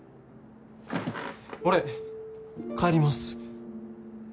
俺帰ります。